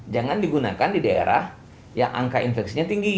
jangan digunakan di daerah yang angka infeksinya tinggi